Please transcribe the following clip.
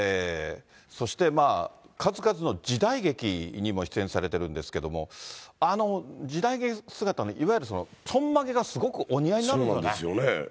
そして、数々の時代劇にも出演されてるんですけれども、あの時代劇姿の、いわゆるちょんまげがすごくお似合いになるんですよね。